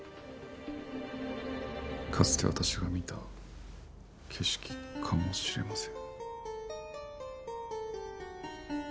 かつて私が見た景色かもしれません。